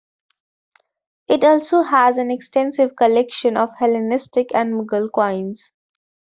It also has an extensive collection of Hellenistic and Mughal coins.